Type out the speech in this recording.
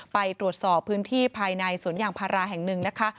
ไปตรวจสอบพื้นที่ภายในสวนยางพาราแห่งหนึ่งนะคะ